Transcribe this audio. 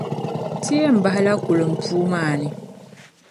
Ti yɛn bahila kulum puu maa ni.